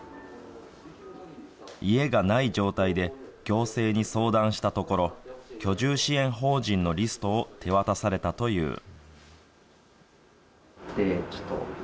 家がない状態で行政に相談したところ、居住支援法人のリストを手渡されたという。